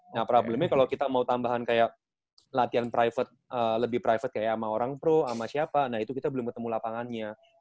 nah problemnya kalau kita mau tambahan kayak latihan private lebih private kayak sama orang pro sama siapa nah itu kita belum ketemu lapangannya